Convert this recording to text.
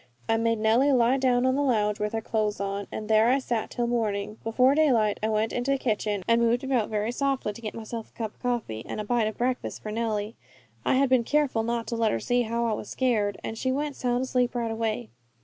I made Nellie lie down on the lounge with her clothes on, and there I sat till morning. Before daylight I went into the kitchen and moved about very softly to get myself a cup of coffee, and a bite of breakfast for Nellie. I had been careful not to let her see how I was scared, and she went sound asleep right away.